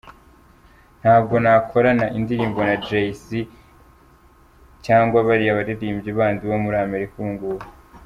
Ntabwo nakorana indirimbo na Jay Z cyangwa bariya baririmbyi bandi bo muri Amerika ubungubu.